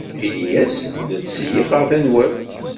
Ini-as la d-ttseyyiqeɣ tanwalt.